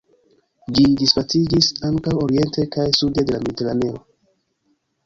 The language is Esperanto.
Ĝi disvastiĝis ankaŭ oriente kaj sude de la Mediteraneo.